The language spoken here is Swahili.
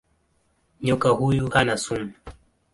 Nyoka huyu hana sumu.